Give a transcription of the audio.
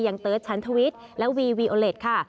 อย่างเติร์ดชั้นทวิทย์และวีวีโอเลทค่ะ